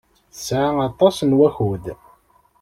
Tesɛa aṭas n wakud.